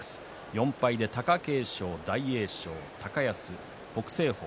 ４敗で貴景勝、大栄翔高安、北青鵬